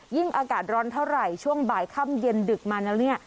อากาศร้อนเท่าไหร่ช่วงบ่ายค่ำเย็นดึกมาแล้วเนี่ย